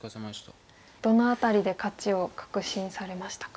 どの辺りで勝ちを確信されましたか。